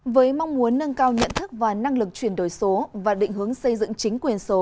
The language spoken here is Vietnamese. với mong muốn nâng cao nhận thức và năng lực chuyển đổi số và định hướng xây dựng chính quyền số